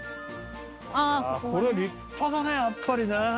これは立派だねやっぱりね。